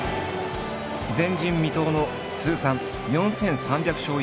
前人未到の通算４，３００勝以上。